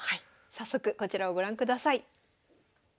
早速こちらをご覧ください。